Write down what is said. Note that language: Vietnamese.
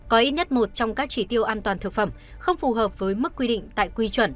có ít nhất một trong các chỉ tiêu an toàn thực phẩm không phù hợp với mức quy định tại quy chuẩn